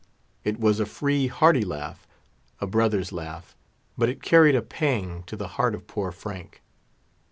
It was a free, hearty laugh—a brother's laugh; but it carried a pang to the heart of poor Frank.